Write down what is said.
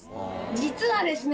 実はですね